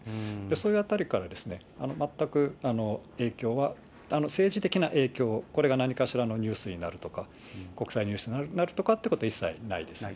そういうあたりから、全く影響は、政治的な影響、これが何かしらのニュースになるとか、国際ニュースになるとかっていうことは一切ないですね。